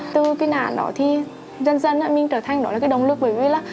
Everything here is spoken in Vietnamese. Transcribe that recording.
từ cái nạn đó thì dần dần mình trở thành đó là cái động lực bởi vì là